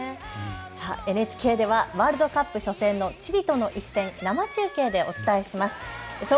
ＮＨＫではワールドカップ初戦のチリとの一戦、生中継でお伝えします。